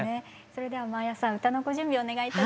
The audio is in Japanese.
それでは真彩さん歌のご準備をお願いいたします。